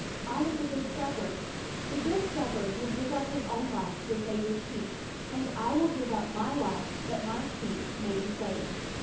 I am the good shepherd; the good shepherd will give up his own life to save his sheep; and I will give up my life that my sheep may be saved.